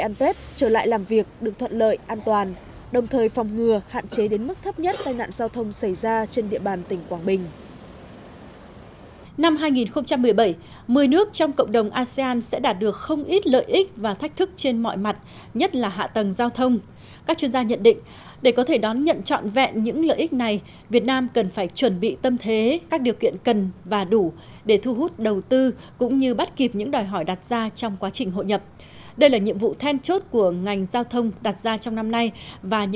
để ăn tết trở lại làm việc được thuận lợi an toàn đồng thời phòng ngừa hạn chế đến mức thấp nhất tai nạn giao thông xảy ra trên địa bàn tỉnh quảng bình